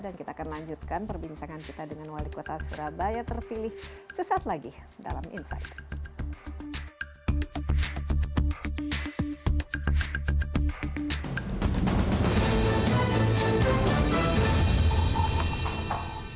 dan kita akan lanjutkan perbincangan kita dengan wali kota surabaya terpilih sesaat lagi dalam insight